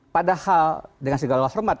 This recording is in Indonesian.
padahal dengan segala hormat